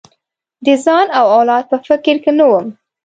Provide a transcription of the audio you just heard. د ځان او اولاد په فکر کې نه وم.